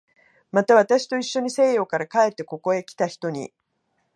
また、私といっしょに西洋から帰ってここへきた人に